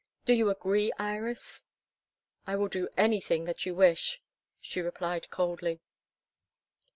Do you agree, Iris?" "I will do anything that you wish," she replied coldly.